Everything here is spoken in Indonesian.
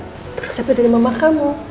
itu resepnya dari mama kamu